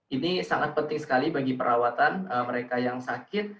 ini sangat penting sekali bagi perawatan mereka yang sakit